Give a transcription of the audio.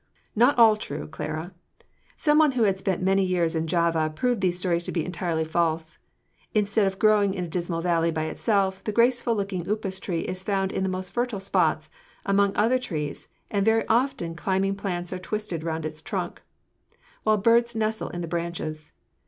"Not all true, Clara; some one who had spent many years in Java proved these stories to be entirely false. Instead of growing in a dismal valley by itself, the graceful looking upas tree is found in the most fertile spots, among other trees, and very often climbing plants are twisted round its trunk, while birds nestle in the branches.